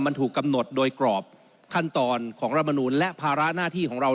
มันถูกกำหนดโดยกรอบขั้นตอนของรัฐมนูลและภาระหน้าที่ของเรา